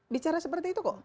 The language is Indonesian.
bicara seperti itu kok